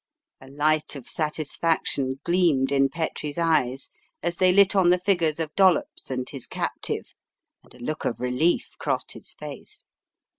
A light of satisfaction gleamed in Petrie's eyes as they lit on the figures of Dollops and his captive, and a look of relief crossed his face.